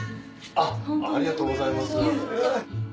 ありがとうございます。